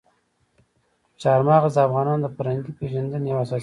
چار مغز د افغانانو د فرهنګي پیژندنې یوه اساسي برخه ده.